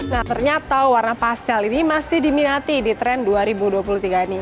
nah ternyata warna pascal ini masih diminati di tren dua ribu dua puluh tiga ini